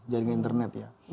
jaringan internet ya